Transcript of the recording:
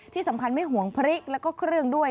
ที่สำคัญไม่ห่วงพริกแล้วก็เครื่องด้วย